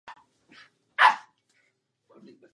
Tu Ronaldo pokořil jedinými dvěma góly v onom utkání.